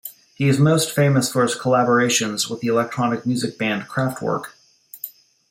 He is most famous for his collaborations with the electronic music band Kraftwerk.